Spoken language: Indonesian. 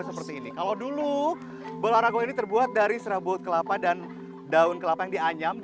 seperti ini kalau dulu bola ragu ini terbuat dari serabut kelapa dan daun kelapa yang dianyam